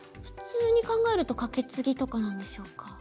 普通に考えるとカケツギとかなんでしょうか。